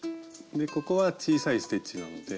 でここは小さいステッチなので。